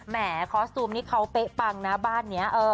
หมอคอสตูมนี่เขาเป๊ะปังนะบ้านนี้